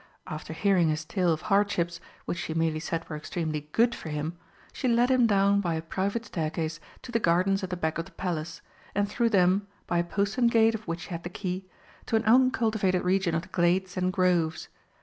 After hearing his tale of hardships, which she merely said were extremely good for him, she led him down by a private staircase to the gardens at the back of the Palace, and through them, by a postern gate of which she had the key, to an uncultivated region of glades and groves.